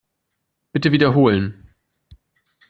Bitte wiederholen.